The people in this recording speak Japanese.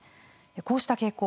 こうした傾向